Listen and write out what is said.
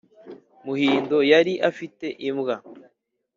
Muhindo yari afite imbwa